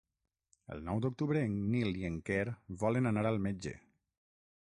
El nou d'octubre en Nil i en Quer volen anar al metge.